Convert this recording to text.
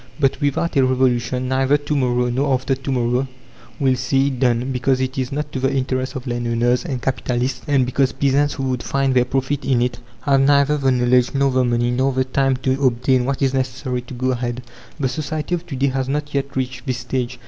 But without a revolution, neither to morrow, nor after to morrow will see it done, because it is not to the interest of landowners and capitalists; and because peasants who would find their profit in it have neither the knowledge nor the money, nor the time to obtain what is necessary to go ahead. The society of to day has not yet reached this stage.